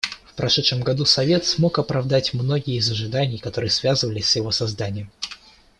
В прошедшем году Совет смог оправдать многие из ожиданий, которые связывались с его созданием.